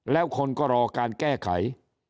แล้วคนก็รอการแก้ไข